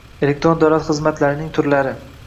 Elektron davlat xizmatlarining turlari